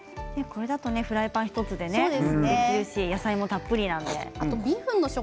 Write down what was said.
これだとフライパン１つで野菜もたっぷりですし。